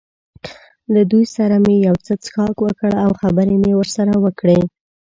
له دوی سره مې یو څه څښاک وکړ او خبرې مې ورسره وکړې.